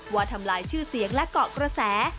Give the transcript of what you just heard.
ทำลายชื่อเสียงและเกาะกระแส